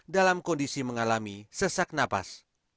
dalam kondisi mengalami sesak napas